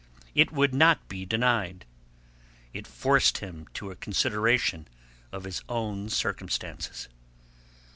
It would not be denied. It forced him to a consideration of his own circumstances.